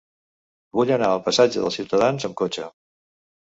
Vull anar al passatge dels Ciutadans amb cotxe.